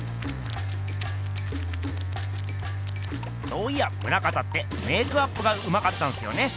そういや棟方ってメークアップがうまかったんすよね。